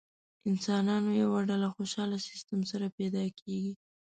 انسانانو یوه ډله خوشاله سیستم سره پیدا کېږي.